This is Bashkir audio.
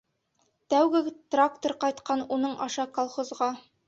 Тәүге трактор ҡайтҡан уның аша колхозға.